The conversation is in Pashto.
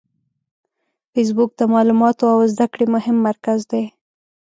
فېسبوک د معلوماتو او زده کړې مهم مرکز دی